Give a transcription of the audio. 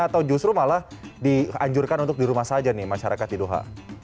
atau justru malah dianjurkan untuk di rumah saja nih masyarakat di doha